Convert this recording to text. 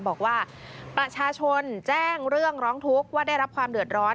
บอกว่าประชาชนแจ้งเรื่องร้องทุกข์ว่าได้รับความเดือดร้อน